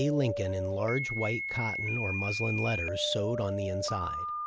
Lincoln" in large white cotton or muslin letters sewed on the inside.